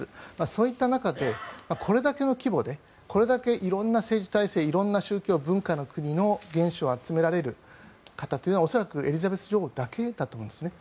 そういった中でこれだけの規模でこれだけ色んな政治体制色んな宗教、文化の国の元首を集められる方というのは恐らくエリザベス女王だけだと思いますね。